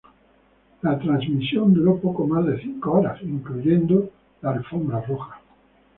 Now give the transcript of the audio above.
La transmisión duró poco más de cinco horas, incluyendo la Alfombra Roja.